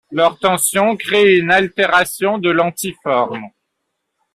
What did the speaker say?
Leur tension crée une altération de l’anti-forme.